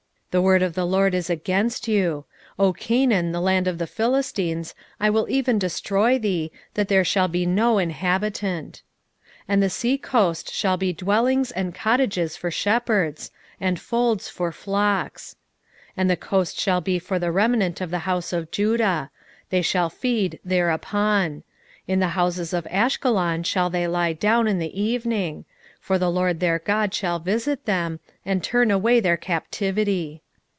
the word of the LORD is against you; O Canaan, the land of the Philistines, I will even destroy thee, that there shall be no inhabitant. 2:6 And the sea coast shall be dwellings and cottages for shepherds, and folds for flocks. 2:7 And the coast shall be for the remnant of the house of Judah; they shall feed thereupon: in the houses of Ashkelon shall they lie down in the evening: for the LORD their God shall visit them, and turn away their captivity.